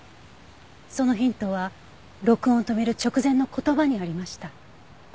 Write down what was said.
そのヒントは録音を止める直前の言葉にありました。